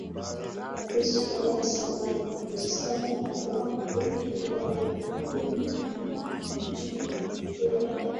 Wakristo hasa Waprotestant halafu pia Wakatoliki na kidogo